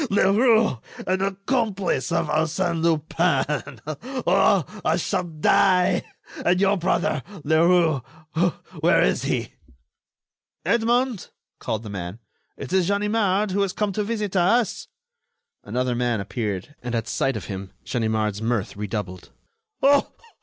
Leroux, an accomplice of Arsène Lupin! Oh, I shall die! and your brother, Leroux, where is he?" "Edmond!" called the man. "It is Ganimard, who has come to visit us." Another man appeared and at sight of him Ganimard's mirth redoubled. "Oh!